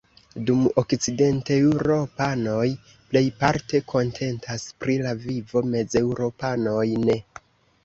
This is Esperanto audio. Dum okcidenteŭropanoj plejparte kontentas pri la vivo, mezeŭropanoj ne.